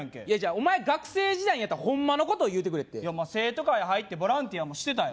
お前学生時代にやったホンマのことを言うてくれって生徒会入ってボランティアもしてたよ